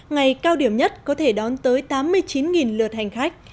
ngày cao điểm nhất có thể đón tới tám mươi chín lượt hành khách